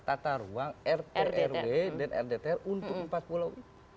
tata ruang rt rw dan rd tr untuk empat puluh pulau